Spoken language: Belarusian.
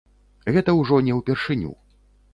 Гэта ўжо не ўпершыню.